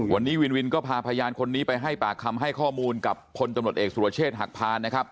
วันนี้วินวินก็พาพยานคนนี้ไปให้ปากคำให้ข้อมูลกับพลตำรวจเอกสุรเชษฐหักพานนะครับ